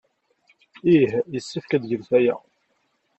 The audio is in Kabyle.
Ih, yessefk ad tgemt aya.